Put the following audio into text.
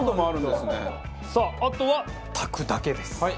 さああとは炊くだけです。